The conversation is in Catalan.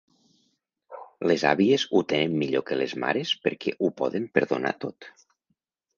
Les àvies ho tenen millor que les mares perquè ho poden perdonar tot.